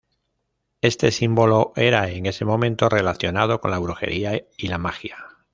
Este símbolo era en ese momento relacionado con la brujería y la magia.